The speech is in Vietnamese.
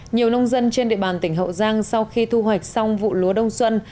nhiều nông dân trên địa bàn tỉnh hậu giang sau khi thu hoạch xong vụ lúa đông xuân